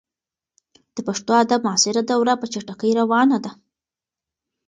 د پښتو ادب معاصره دوره په چټکۍ روانه ده.